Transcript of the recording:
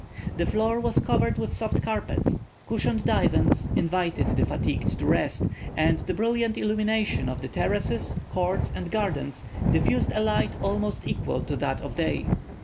The floor was covered with soft carpets; cushioned divans invited the fatigued to rest, and the brilliant illumination of the terraces, courts, and gardens diffused a light almost equal to that of day.